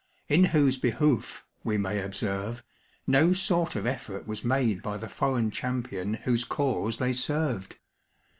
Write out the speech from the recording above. in whose behoof, we may observe, no sort of effort was made by the foreign champion whose cause they served.